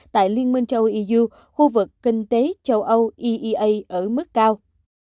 tại liên minh châu âu eu khu vực kinh tế châu âu eea ở mức cao